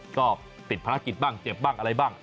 ก็ติดภารกิจบ้างเจ็บบ้างอะไรบ้าง